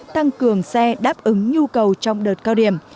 tăng cường xe đáp ứng nhu cầu trong đợt cao điểm